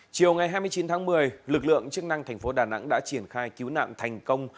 chiều ngày hai mươi chín tháng một mươi lực lượng chức năng thành phố đà nẵng đã triển khai cứu nạn thành công